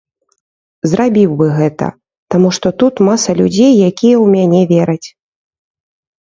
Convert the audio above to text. Зрабіў бы гэта, таму што тут маса людзей, якія ў мяне вераць.